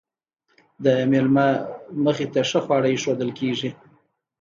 د میلمه مخې ته ښه خواړه ایښودل کیږي.